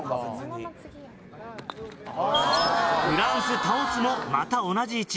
フランス倒すもまた同じ位置。